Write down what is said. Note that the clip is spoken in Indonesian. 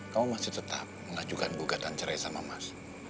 kamu masih tetap mengajukan gugatan cerai sama mas